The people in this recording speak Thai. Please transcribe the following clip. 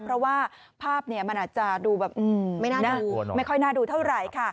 เพราะว่าภาพมันจะไม่ค่อยน่าดูเท่าไหร่